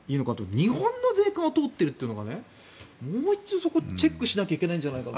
日本の税関を通っているのがもう１度そこをチェックしなきゃいけないんじゃないかと。